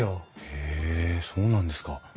へえそうなんですか。